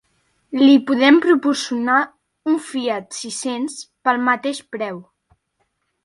Li podem proporcionar un Fiat sis-cents pel mateix preu.